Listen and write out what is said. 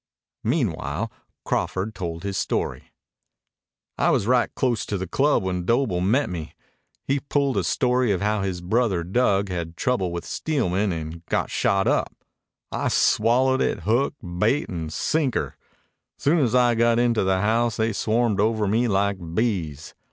Meanwhile Crawford told his story. "I was right close to the club when Doble met me. He pulled a story of how his brother Dug had had trouble with Steelman and got shot up. I swallowed it hook, bait, and sinker. Soon as I got into the house they swarmed over me like bees.